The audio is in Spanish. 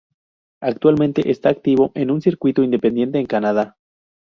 Actualmente está activo en un circuito independiente en Canadá.